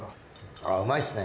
あぁうまいっすね。